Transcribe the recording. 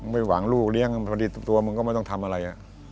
ไม่หวังลูกเลี้ยงพอดีตัวมึงก็ไม่ต้องทำอะไร